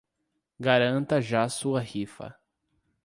Garanta já sua rifa